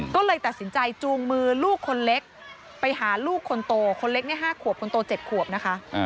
ก็เลยตัดสินใจจูงมือลูกคนเล็กไปหาลูกคนโตคนเล็ก๕ขวบคนโต๗ขวบนะคะ